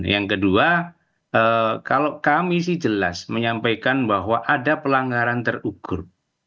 yang kedua kalau kami sih jelas menyampaikan bahwa ada pelanggaran terukur